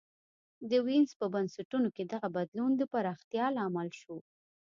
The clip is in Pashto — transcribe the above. د وینز په بنسټونو کې دغه بدلون د پراختیا لامل شو